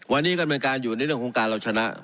วันนี้ก็มีการอยู่ในเรื่องโครงการเราจะนะ